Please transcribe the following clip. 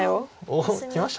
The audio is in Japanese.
おっきました。